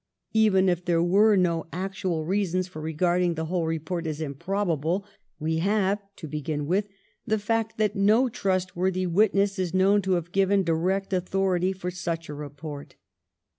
Even if there were no actual reasons for regarding the whole report as improbable, we have, to begin with, the fact that no trustworthy witness is known to have given direct authority for such a report.